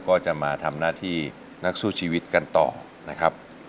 ก็จะมาทำหน้าที่นักสู้ชีวิตกันต่อนะครับ